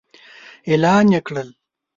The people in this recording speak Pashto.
اعلان يې کړل.